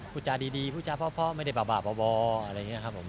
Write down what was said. พูดค็าดีพูดค็าเพราะพ่อเพราะพ่อไม่ได้บ่าบ่ออะไรอย่างนี้ครับผม